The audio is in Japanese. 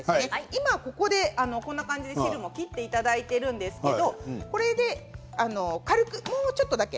今こんな感じで汁を切っていただいているんですけどこれで軽くもうちょっとだけ。